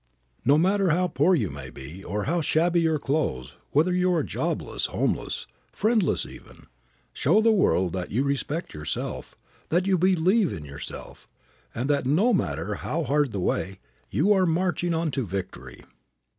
No matter how poor you may be, or how shabby your clothes, whether you are jobless, homeless, friendless even, show the world that you respect yourself, that you believe in yourself, and that, no matter how hard the way, you are marching on to victory.